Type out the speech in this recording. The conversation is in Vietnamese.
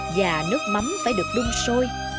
và nước mắm phải được đun sôi